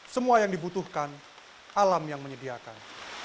semua yang dibutuhkan alam yang menyediakan